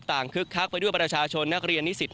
ต่างคึกคักไปด้วยประชาชนนักเรียนศิษย์